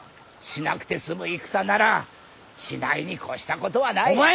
しなくて済む戦ならしないに越したことはない。